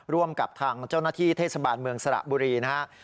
ร่วมกับทางเจ้าหน้าที่เทศบาลเมืองสระบุรีนะครับ